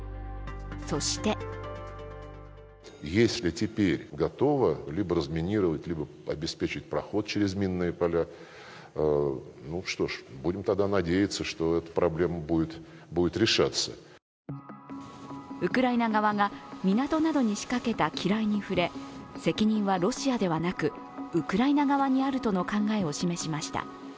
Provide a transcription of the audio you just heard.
そしてウクライナ側が港などに仕掛けた機雷に触れ、責任はロシアではなくウクライナ側にあるとの考えを示しました。